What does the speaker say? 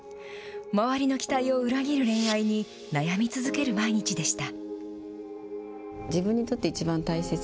周りの期待を裏切る恋愛に、悩み続ける毎日でした。